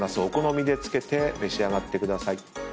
お好みで付けて召し上がってください。